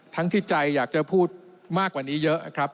ที่ใจอยากจะพูดมากกว่านี้เยอะครับ